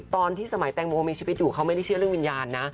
ตอนที่สมัยแตงโมมีชีวิตอยู่เขาไม่ได้เชื่อเรื่องวิญญาณนะ